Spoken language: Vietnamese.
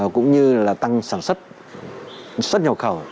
cũng như là tăng sản xuất xuất nhậu khẩu